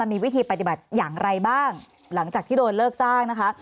มีวิธีปฏิบัติอย่างไรบ้างหลังจากที่โดนเลิกจ้างนะคะ